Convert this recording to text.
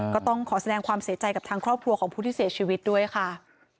ก็ต้องขอแสดงความเสียใจกับทางครอบครัวของผู้ที่เสียชีวิตด้วยค่ะ